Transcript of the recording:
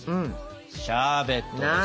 シャーベットですよ。